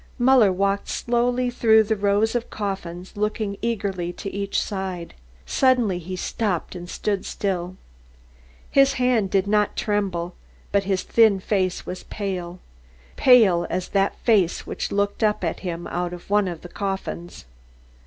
Muller walked slowly through the rows of coffins looking eagerly to each side. Suddenly he stopped and stood still. His hand did not tremble but his thin face was pale pale as that face which looked up at him out of one of the coffins.